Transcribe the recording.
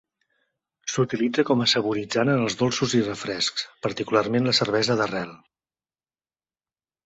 S'utilitza com a saboritzant en els dolços i refrescs, particularment la cervesa d'arrel.